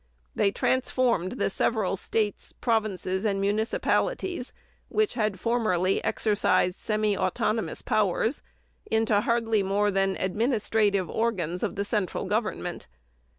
They transformed the several states, provinces, and municipalities, which had formerly exercised semi autonomous powers, into hardly more than administrative organs of the central Government.